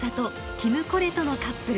ティムコレトのカップル。